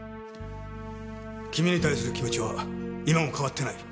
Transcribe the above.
君に対する気持ちは今も変わってない。